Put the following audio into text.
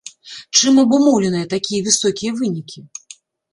Чым абумоўленыя такія высокія вынікі?